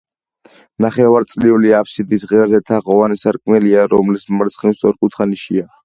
ნახევარწრიული აფსიდის ღერძზე თაღოვანი სარკმელია, რომლის მარცხნივ სწორკუთხა ნიშია.